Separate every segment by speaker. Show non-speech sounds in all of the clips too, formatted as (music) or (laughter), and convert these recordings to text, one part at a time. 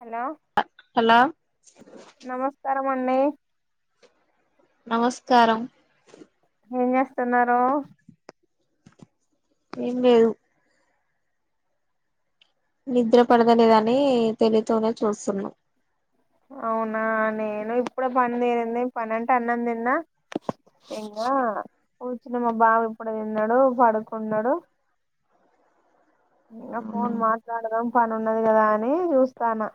Speaker 1: Hello
Speaker 2: hello
Speaker 1: నమస్కారం మన్నే
Speaker 2: నమస్కారం
Speaker 1: ఏం చేస్తున్నారు
Speaker 2: ఏందు నిద్ర పడదలేదని తెలితోనే చూస్తున్నా
Speaker 1: అవునా నేను ఇప్పుడ పని తేరింది పని అంటే అన్నం తిన్నా ఇంకా కూర్చుని మా బాబ ఇప్పుడు తిన్నాడు పడుకున్నాడు
Speaker 2: అవునా,
Speaker 1: ఫోన్ మాట్లాడదం పని ఉన్నది కదా అని చూస్తాను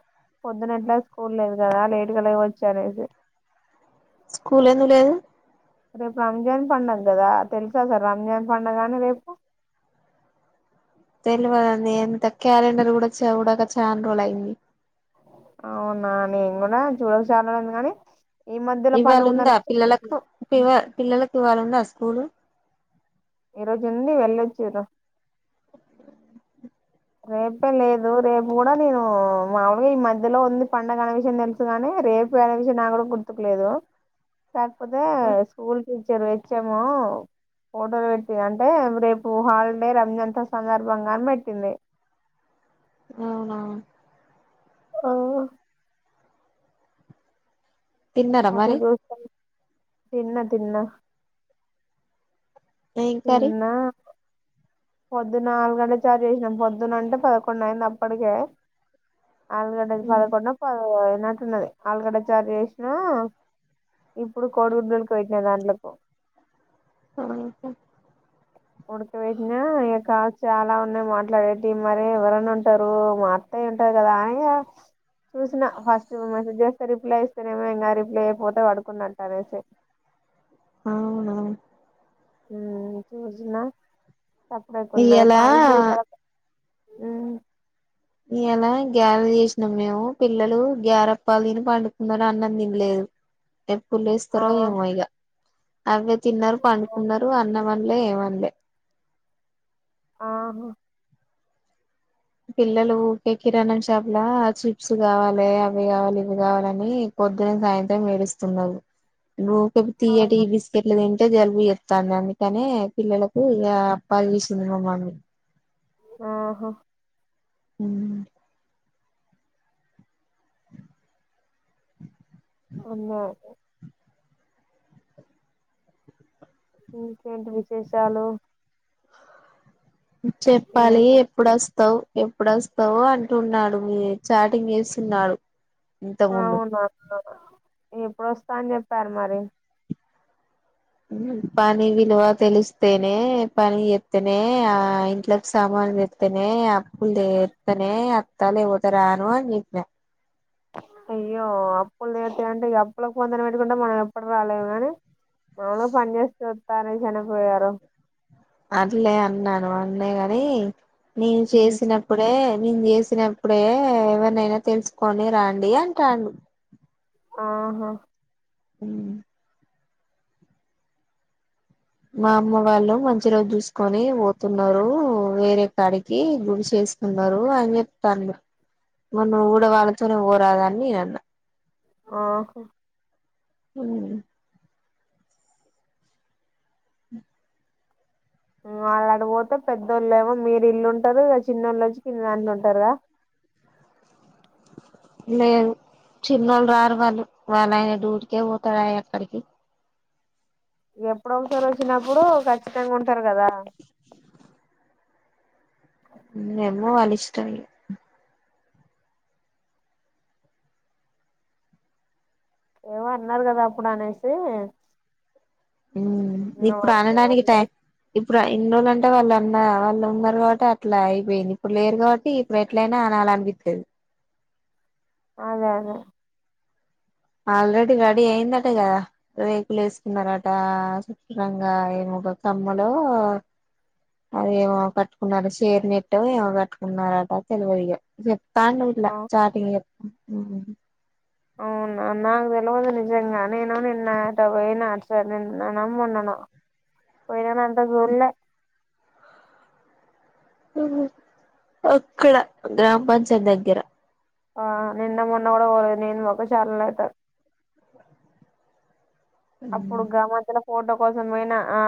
Speaker 1: పొద్దునట్లా స్కూల్ లేదు కదా లేటు క లేవచ్చు అనేసి
Speaker 2: స్కూలే లేదు
Speaker 1: రేపు రంజాన్ పడుగ కదా తెలుసా సార్ రంజాన్ పండుగ కాని రేపు
Speaker 2: తెలివద అండి ఎంత క్యాలెండర్ కూడా చూడక చఛాన్ రోల్ అయి్యంది
Speaker 1: అవునా నేను కూడా చూడక చాలంది కానీ ఈ మధ్యలో
Speaker 2: ఇవ్ళ
Speaker 1: పండుగ
Speaker 2: ఉందా
Speaker 1: ఉందనేసి
Speaker 2: పిల్లలకు పిల్లలకు ఇవ్వాల ఉందా స్కూలు
Speaker 1: ఈ రోజు ఉంది వెళ్ళొచ్చురో రేపే లేదు రేపు కూడా నేను మాములుగా ఈ మధ్యలో ఉంది పండగ అనే విషయం తెలుసు కానీ రేపు వెనే విషయం నా కూడా గుర్తుకులేదు తపోద స్కూల్ టీచర్ వచ్చాము ఫోటోలు పెట్టింది అంటే రేపు హాలిడే రంజంత సందర్భంగాని పెట్టింది
Speaker 2: అవు
Speaker 1: ఆ
Speaker 2: తిన్నారా
Speaker 1: అలా
Speaker 2: మరి
Speaker 1: దోస్త తిన్న తిన్న
Speaker 2: ఆ ఇంకార
Speaker 1: పొద్దున్న నాలుగు గంటలు చార్జ్ చేసినాం పొద్దున అంటే పదకొండు అయింది అప్పటికే ఆాలుగు గంటది పదకొడా అన్నట్టున్నది ఆలుగడ చార్జ్ చేసిన ఇప్పుడు కోడిగుడ్డులకు పెట్టిన దాంట్లకు
Speaker 2: ఆ చెప్
Speaker 1: ఉడకబెట్టినా ఇగ కాల్స్ చాలా ఉన్నాయి, మాట్లాడేటివి మరె ఎవరైనా ఉంటరు, మా అత్తయి ఉంటది కదా అని చూసిన ఫస్ట్ మెసేజ్ చేస్తే రిప్లై ఇస్తేనేమో ఇంకా రిప్లై అయిపోతే పడుకున్నట్టు అనేసి,
Speaker 2: ఔనా
Speaker 1: మ్మ్ చూసిన సప్పుడేకుండే
Speaker 2: ఇయ్యాల
Speaker 1: పాని పూరి జాగర్త హ్మ్
Speaker 2: ఇయ్యాలా గ్యారలు చేసినాం మేము పిల్లలు గ్యారప్పలు దిని పండుకున్నరు అన్నం దినలేదు. ఎప్పుడు లేస్తారో
Speaker 1: ఆహా
Speaker 2: ఏమో ఇగ అవే తిన్నారు పండుకున్నారు అన్నం వనలే ఏవన్లే
Speaker 1: ఒ
Speaker 2: పిల్లలు ఉకేె కిీరాణం షాప్లా చిప్స్ కావాలి, అవి కావాలి, ఇవి కావాలని పొద్దున్న సాయంత్రం ఏడుస్తున్నరు. లోకబ్ తీయటి బిస్కెట్లు తిం టే జలుబు జేత్తంది అందుకనే పిల్లలకు ఇగ అప్పాలు చేస్సుంది మామమ్మీ
Speaker 1: ఆహో
Speaker 2: హ్మ్
Speaker 1: అన్యావ్ అయితే ఇంకేంటి విశేషాలు
Speaker 2: చెప్పాలి
Speaker 1: ఏముంది
Speaker 2: ఎప్పుడు వస్తావ్ ఎప్పుడొస్తావో అంటున్నాడు మీ చాటింగ్ చేస్తున్నాడు ఇంతకు ముందు
Speaker 1: అవునా ఎప్పుడొస్తా అని జెప్పారు మరి
Speaker 2: మ్మ్ పని విలువ తెలిస్తేనే పని జేత్తనే, ఆ ఇంట్లోకి సామానులు తెత్తనే, అప్పులు తీర్తనే అత్తా లేకవొతే రాను అని జెప్నా.
Speaker 1: అయ్యో అప్పులు తీర్తయి అంటే ఇగ అప్పుల పొందనె వెట్టుకుంటే మనం ఎప్పుడు రాలేమ్ గాని. డోలో పని చేస్తద్ తానే చనిపోయారు
Speaker 2: అట్లే అన్నాను అన్నే కాని నేను చేసినప్పుడే నేను జేసినప్పుడే ఎవరినైనా తెలుసుకొని రాండి అంటాండు
Speaker 1: ఆహా
Speaker 2: మ్మ్ మా అమ్మ వాళ్ళు మంచి రోజు జూసుకొని వోతున్నారు వేరే కాడికి గుడి చేసుకున్నారు అని చెప్తాండు. మరి నువ్వూడ వాళ్ళతోనే పోరాదా అని నే అన్నా.
Speaker 1: ఆహా
Speaker 2: హ్మ్
Speaker 1: వాళ్ళు అటుపోతే పెద్దోళ్ళు ఏమో మీరు ఇల్లుంటారు, చిన్నోళ్లోచ్చి కింద అన్నా ఉంటారుగా,
Speaker 2: లేదు చిన్నోళ్ళు రారు వాళ్ళు, వాళ్ళ ఆయన డూటికే పోతారు అక్కడికి
Speaker 1: ఎప్పుడో అవసరం వచ్చినప్పుడు ఖచ్చితంగా ఉంటారు కదా,
Speaker 2: ఎమ్మో వాల్ల ఇష్టమిగ
Speaker 1: ఏమో అన్నారు కదా అప్పుడు అనేసి
Speaker 2: హ్మ్ ఇప్పుడు అనడానికి గిట్టై ఇప్ ఇప్పుడు ఇన్ని రోజులంటే వాళ్లన్న వాళ్ళు ఉన్నారు కావట్టి అట్లా అయిపోయింది. ఇప్పుడు లేరు కావట్టి ఇప్పుడు ఎట్లైనా అనాల అనిపిత్తది.
Speaker 1: అదే అదే
Speaker 2: ఆల్రెడీ రెడీ అయిందట కదా రేకులు వేసుకున్నారట సుట్టురంగా ఏమో ఒక కమ్మలో అది ఏమో కట్టుకున్నారు షేర్ నెట్ ఏమో కట్టుకున్నారట తెలివదుయిగ చెప్. తాండ్ర గిట్ల
Speaker 1: ఆ,
Speaker 2: చార్టింగ్ మ్ హ్మ్
Speaker 1: అవునా నాక్ తెలువదు నిజంగా. నేను నిన్న అటపోయిన అటు సైడ్ నిన్ననో, మొన్ననో పోయినా నన్ నే జూల్లె
Speaker 2: అక్కడ గ్రామ పంచాయత్ దగ్గర
Speaker 1: ఆ నిన్న మొన్న కూడా పోలేదు నేను మాక చాలనేతా అప్పుడు గమాతల ఫోటో కోసం పోయినా ఆ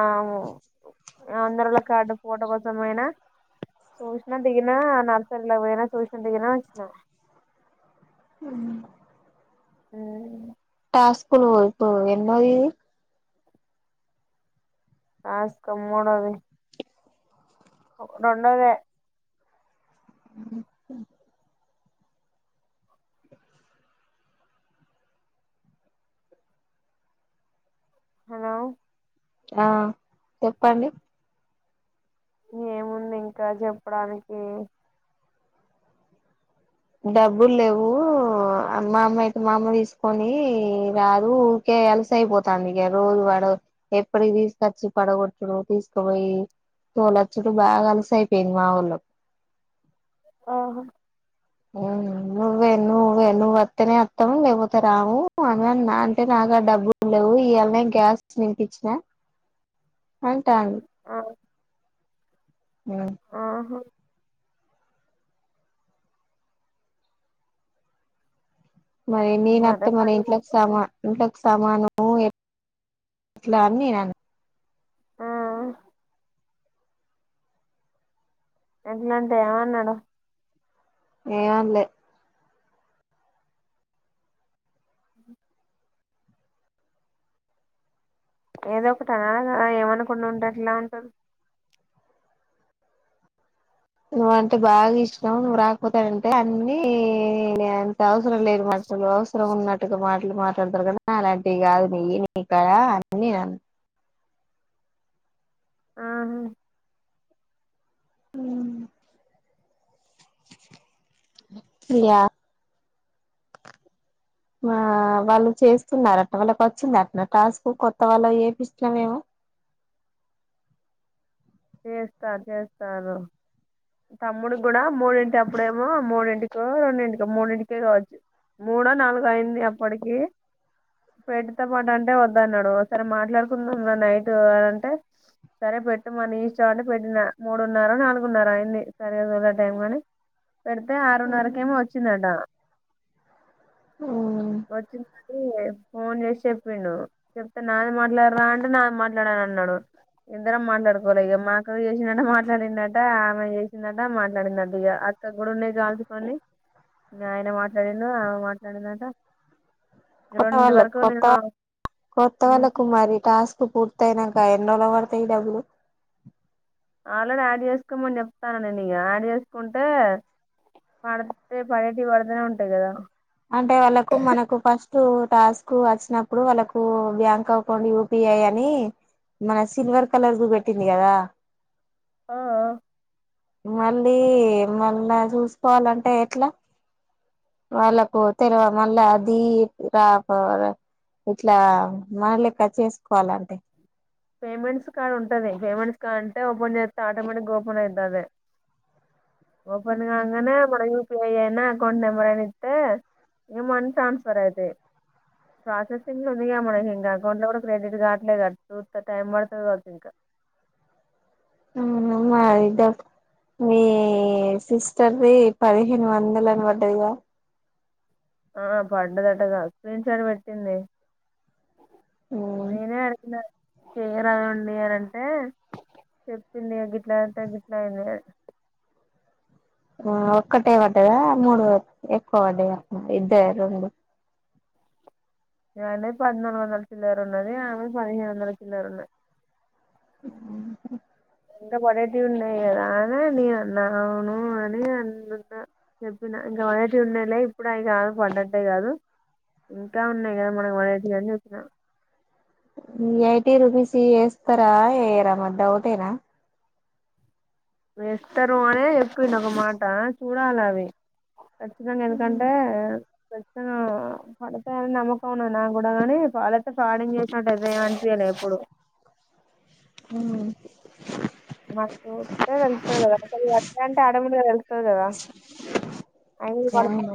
Speaker 1: అందరుల కార్డు ఫోటో కోసం పోయినా చూసినా దిగినా. నర్సరీలో పోయినా చూసినా దిగినా వచ్చినా,
Speaker 2: మ్మ్
Speaker 1: ఆ
Speaker 2: యా స్కుల్ పో ఇప్పు ఎన్నోది
Speaker 1: ఆస్ కమ్ మోనది రెండోదే
Speaker 2: నువ్ కూచ్చో
Speaker 1: హలో
Speaker 2: ఆ చెప్పండి
Speaker 1: ఏముంది ఇంకా జెప్పడానికి
Speaker 2: డబ్బులు లేవు అన్ మా అమ్మ అయితే మా అమ్మ తీసుకొని రాదు ఊకే అలుసైపోతాంది. ఇక రోజు వాడు ఎప్పటికి తీసుకొచ్చి పడగొట్టుడు తీసుకుపోయి తోలొచ్చుడు బాగా అలుసు అయిపేయింది మాఊళ్ళో.
Speaker 1: ఆహ
Speaker 2: నువ్వే నువ్వే నువ్వు వత్తనే వత్తం లేకపోతే రాము అనెన్నా, అంటే నాకడ డబ్బులు లేవు ఇయాళనే గ్యాస్ నింపించినా అంటాంది
Speaker 1: ఆ,
Speaker 2: మా
Speaker 1: ఆహా
Speaker 2: మరి నేను
Speaker 1: మరే
Speaker 2: వత్తే మరి
Speaker 1: పని
Speaker 2: ఇంట్లోకి
Speaker 1: మొత్తం.
Speaker 2: సామా ఇంట్లో క్ సామాను యెట్లా అని నేను అన్
Speaker 1: ఆహ ఎట్లంటే ఏమన్నాడు
Speaker 2: ఏం అనలే
Speaker 1: ఏదో ఒకటి అనాలగా ఏమనకుండా ఉంటే ఎట్లా ఉంటరు
Speaker 2: నువ్వు అంటే బాగా ఇష్టం నువ్వు రాకపోతేనంటే అన్ని నే అంత అవసరం లేదు మాటలు అవసరం ఉన్నట్టుగా మాటలు మాట్లాడతారు, కదా అలాంటివి కాదు నియ్యి నీకాడ అని నేను.
Speaker 1: ఆహ
Speaker 2: ఇయా వాళ్ళు చేస్తున్నారు అట్ట వాళ్ళకి వచ్చిందట్నా టాస్క్ కొత్త వాళ్ళు యేడిస్తావేమో,
Speaker 1: చేస్తార్ చేస్తారు తమ్ముడి కూడా మూడింటి అప్పుడేమో మూడింటికో రెండింటికో మూడింటికే కావచ్చు. మూడో నాలుగో అయింది అప్పడికి పెట్టు తా పటు అంటే వద్దన్నాడు, సరే మాట్లాడుకుందాం రా నైటు అంటే సరే పెట్టు మ నీ ఇష్ చోట పెట్టిన మూడున్నరో నాలుగున్నరో అయింది సరిగా చూల్లే టైం గాని పెడితే ఆరున్నరకేమో వచ్చిందట వచ్చింది మడి ఫోన్ చేసి చెప్పిండు చెప్తే నాది మాట్లాడురా అంటే నాది మాట్లాడను అన్నాడు, ఇద్దరం మాట్లాడుకోలే ఇగ. మా అక్కకి చేసిండంట మాట్లాడిందట, ఆమె చేసిందట మాట్లాడిందంట ఇగ అక్కగ్గూడుండే కాల్స్ పని నాఆయన మాట్లాడిండు ఆమె మాట్లాడిందట.
Speaker 2: కొత్త
Speaker 1: రెండు
Speaker 2: వాళ్ళక్
Speaker 1: వరకు
Speaker 2: కొత్త
Speaker 1: నేను
Speaker 2: కొత్త వాళ్ళ కుమారి టాస్క్ పూర్తయినా పడినోళ్ళకే పడతాయి డబ్బులు
Speaker 1: ఆల్రెడీ యాడ్ చేసుకోమని చెప్తారు కదా ఇక యాడ్ చేసుకుంటే పడితే పడేటివి పడితేనే ఉంటాయి కదా
Speaker 2: అంటే వాళ్ళకు మనకు ఫస్ట్ టాస్క్ వచ్చినప్పుడు వాళ్ళకు బ్యాంక్ అకౌంట్ యూపిఐ అని మన సిల్వర్ కలర్ చూపెట్టింది కదా
Speaker 1: ఆ ఆ
Speaker 2: మళ్ళీ మళ్ళా చూసుకోవాలంటే ఎట్లా వాళ్ళకు తెలవా మళ్ళా అది రా ఇట్లా మన లెక్క చేసుకోవాలంటే (inaudible)
Speaker 1: పేమెంట్స్ కార్ ఉంటుది పేమెంట్స్ కార్డ్ అంటే ఓపెన్ చేస్తే ఆటోమేటిక్ ఓపెన్ అవుతుంది ఓపెన్ గాంగనే మన యూపీ పే అయినా అకౌంట్ నెంబర్ అని ఇస్తే ఏ మనీ ట్రాన్స్ఫర్ అవుతాయి ప్రాసెసింగ్ లో ఉందిగా మనకి ఇంకా అకౌంట్ లో కూడా క్రెడిట్ కాట్లే కదా (inaudible) ఇంకా టైం పడేయాలి కావచ్చు ఇంకా
Speaker 2: మరి డాక్టరుమీ సిస్టర్ది పదిహేను వందలు అని పఢ్ఢదిగా
Speaker 1: ఆ పడ్డధటగా స్క్రీన్ షాట్ పెట్టింది నేనె అరిచిన చేయరాండి అని అంటే చెప్పింది గిట్లా అంటే గిట్లా అయిందని అర్థం
Speaker 2: ఒక్కటే పడ్డదా మూడు ఎక్కువ పడ్డాద ఇద్దరు రెండు
Speaker 1: ను పదిలు వందల చిలర ఉన్నారుది ఆను పదిహేడు వందాలు చిలరు ఉన్నాం ఇంకా పడేటివి ఉన్నాయి కదా అ నేను అన్నావును అని అన్నా చెప్పినా ఇ అవి కాదు పడ్డనట్టే కాదు ఇంకా ఉన్నాయి కదా మనకు పడేటి అని చెప్పినా (inaudible)
Speaker 2: ఈ ఎఇటి రుపీస్ ఎత్తారా వేయరా డౌటేనా
Speaker 1: వేస్తారు అనే చెప్పి డు ఒక మాట చూడాల అవి కచ్చితంగా ఎందుకంటే ఖచ్చితంగా పడతాయని నమ్మకంన్నా నాకు కూడా గాని వాలతో చాటి, జి మ (inaudible) గ్ చేసినట్టుద అ చేయలే ఎప్పుడు
Speaker 2: ఆ (inaudible)
Speaker 1: చూస్తే తెలుస్తది కదా అయినా ఆటోమేటిక్గా తెలుస్తది కదా (inaudible)
Speaker 2: అవును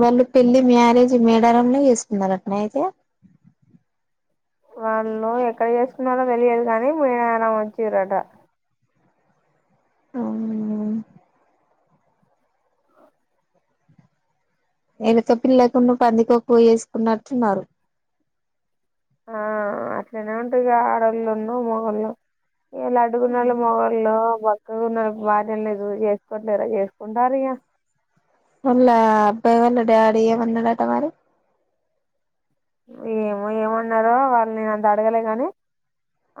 Speaker 2: వాళ్ళు పెళ్లి మ్యారేజ్ మేడారంంలో చేస్తుకున్నారుట అయితే
Speaker 1: వాళ్ళు ఎక్కడ చేసుకున్నారో తెలియదు కాని మేడారం వచ్చేరుట
Speaker 2: మ్ ఎలుక పిల్ల కొను పందికొక్కు చేసుకున్నట్టున్నారు
Speaker 1: ఆ అట్లనే ఉంటదిగ ఆడళ్ళున్ను మొగుళ్ళ ఇలా అడుగునాళ్ళు మొగళ్ళ మొ ఎక్క ఉన్నారు భార్య లేదు చేసుకోట్లేరా చేసుకుంటార ఇగ (inaudible)
Speaker 2: వాళ్ళ అబ్బాయి వాళ్ళ డాడీ ఏమన్నాడట మరి
Speaker 1: ఏమో ఏమన్నారో వాళ్ళు నేను అంత అడగలే కానీ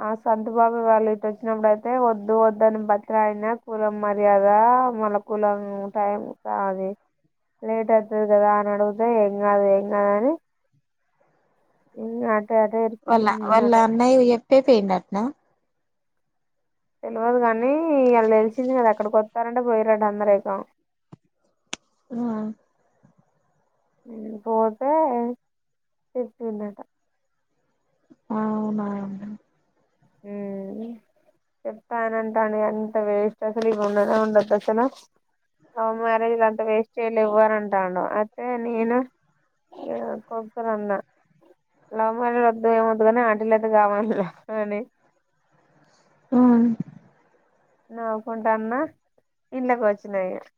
Speaker 1: ఆ సంతబాబు వాళ్ళు ఇటు వచ్చినప్పుడుయితే వద్దు వద్దని బతిరాయినా కులం మర్యాద మళ్ళ కులం టైం అది లేట్ అవుతుంది కదా అని అడిగితే ఏం కాదు ఏం కాదని (inaudible) (inaudible) ఇ అ (inaudible)
Speaker 2: వాళ్ళ వాళ్ళ అమ్మాయి అంటే పొయిండంటన
Speaker 1: తెలియదు కానీ వాళ్ళు తెలిసిింది కదా అక్కడికి వస్తారంటే పోయిరాండి అందరు ఒకసారి
Speaker 2: మ్
Speaker 1: పోతే చెప్పిండ్రు ట
Speaker 2: ఆ అవునాండి (inaudible)
Speaker 1: చెప్తా అన అంటాను అంత వేస్ట్ అసలు ఇవి ఉండనే ఉండదు అసలు లవ్ మ్యారేజ్ అంత వేస్ట్ చేయలే ఇవ్వరు అంటాను అయితే నేను కొతాను అన్న లవ్ మ్యారేజ్ వద్దు ఏమద్దు కాని ఆంటల అయితే కావాలి అని (inaudible)
Speaker 2: మ్
Speaker 1: నవుకుంటన్న ఇంట్లొ వచ్